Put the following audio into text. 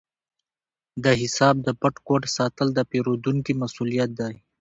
د حساب د پټ کوډ ساتل د پیرودونکي مسؤلیت دی۔